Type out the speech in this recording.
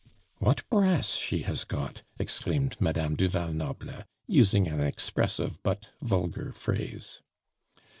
"What brass she has got!" exclaimed Madame du Val Noble, using an expressive but vulgar phrase.